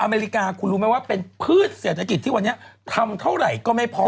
อเมริกาคุณรู้ไหมว่าเป็นพืชเศรษฐกิจที่วันนี้ทำเท่าไหร่ก็ไม่พอ